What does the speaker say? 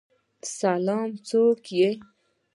سلام، څوک یی؟